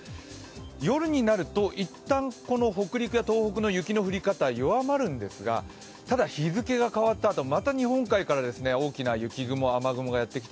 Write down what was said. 夜になるといったん北陸や東北の雪の降り方が弱まるんですが、ただ日付が変わったあと、また日本海から大きな雪雲、雨雲がやってきて